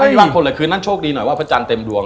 บางคนแหละคืนนั้นโชคดีหน่อยว่าพระจันทร์เต็มดวง